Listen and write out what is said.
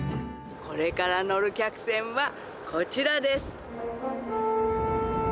これから乗る客船はこちらです